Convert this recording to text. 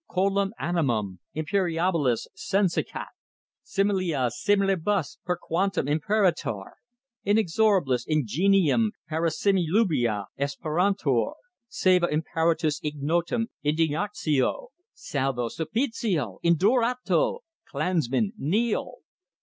Coelum animum imperiabilis senescat! Similia similibus per quantum imperator. Inexorabilis ingenium parasimilibua esperantur! Saeva itnparatus ignotum indignatio! Salvo! Suppositio! Indurato! Klansmen, kneel!"